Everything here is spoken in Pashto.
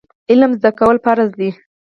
علم زده کول فرض دي